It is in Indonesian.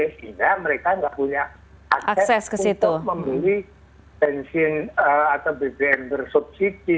sehingga mereka tidak punya akses untuk membeli bensin atau bbm bersubsidi